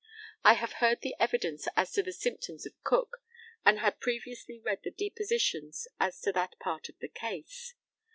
I have heard the evidence as to the symptoms of Cook, and had previously read the depositions as to that part of the case.